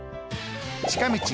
近道